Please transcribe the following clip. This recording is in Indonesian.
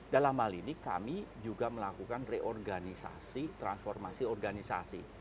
dalam hal ini kami juga melakukan reorganisasi transformasi organisasi